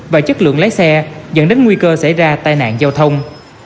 và chất lượng lái xe dẫn đến nguy cơ xảy ra tai nạn giao thông